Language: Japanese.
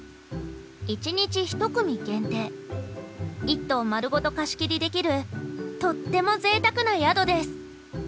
１棟まるごと貸切りできるとってもぜいたくな宿です。